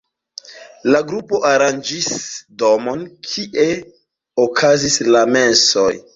La grupo aranĝis domon, kie okazis la mesoj.